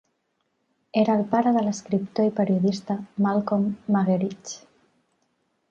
Era el pare de l'escriptor i periodista Malcolm Muggeridge.